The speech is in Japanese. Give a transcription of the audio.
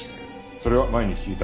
それは前に聞いた。